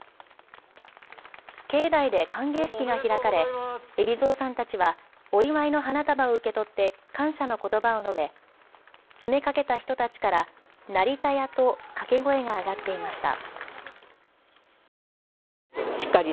境内で歓迎式が開かれ海老蔵さんたちはお祝いの花束を受け取って感謝のことばを述べ詰めかけた人たちから成田屋と掛け声が上がっていました。